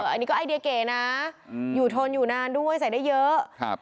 อันนี้ก็ไอเดียเก๋นะอยู่ทนอยู่นานด้วยใส่ได้เยอะ